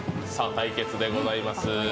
対決でございます。